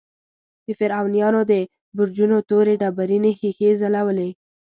د فرعونیانو د برجونو تورې ډبرینې ښیښې ځلولې.